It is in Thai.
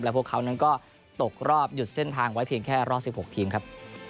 พวกเขานั้นก็ตกรอบหยุดเส้นทางไว้เพียงแค่รอบ๑๖ทีมครับ